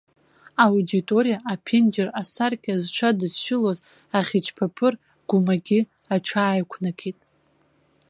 Аудиториа аԥенџьыр асаркьа зҽадызшьылоз ахьычԥаԥыр гәмагьы аҽааиқәнакит.